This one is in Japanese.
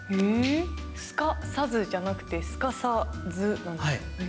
「すか、さず」じゃなくて「すかさ、ず」なんですか。